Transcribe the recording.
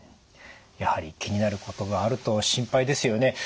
やはり気になることがあると心配ですよね。